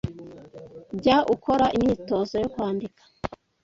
Jya ukora imyitozo yo kwandika